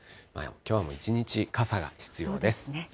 きょうはもう、一日傘が必要です。